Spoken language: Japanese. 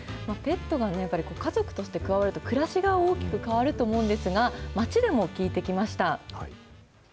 ペットが家族として加わると、暮らしが大きく変わると思うんですが、街でも聞いてきました。